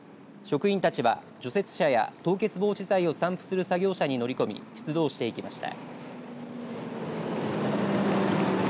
除雪車や凍結防止剤を散布する作業車に乗り込み出動していきました。